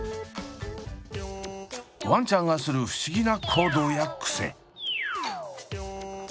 ワンちゃんがする不思議な行動やクセ。